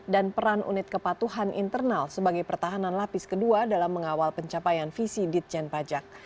dan peran unit kepatuhan internal sebagai pertahanan lapis kedua dalam mengawal pencapaian visi ditjen pajak